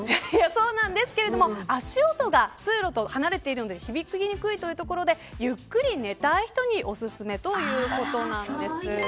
そうなんですけれども足音が通路と離れているので響きにくいというところでゆっくり寝たい人におすすめということなんです。